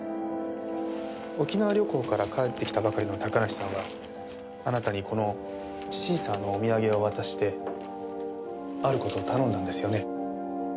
沖縄旅行から帰ってきたばかりの高梨さんはあなたにこのシーサーのお土産を渡してある事を頼んだんですよね？